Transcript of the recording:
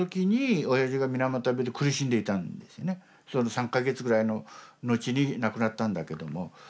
３か月ぐらいの後に亡くなったんだけども。